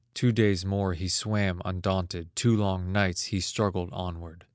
Two days more he swam undaunted, Two long nights he struggled onward.